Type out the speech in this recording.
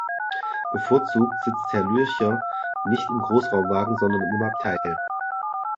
Bevorzugt sitzt Herr Lürcher nicht im Großraumwagen, sondern im Abteil.